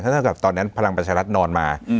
เท่ากับตอนนั้นพลังประชารัฐนอนมา